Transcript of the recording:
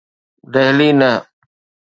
دهلي نه.